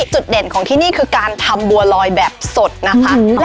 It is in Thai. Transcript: จุดเด่นของที่นี่คือการทำบัวลอยแบบสดนะคะ